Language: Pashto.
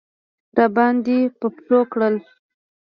راباندې په پښو کړل.